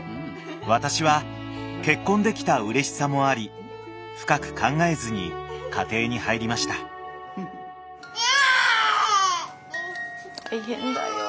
私は結婚できたうれしさもあり深く考えずに家庭に入りました大変だよぉ。